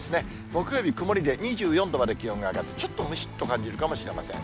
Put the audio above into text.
木曜日曇りで、２４度まで気温が上がって、ちょっとムシっと感じるかもしれません。